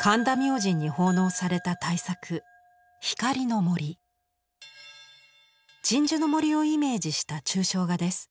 神田明神に奉納された大作鎮守の森をイメージした抽象画です。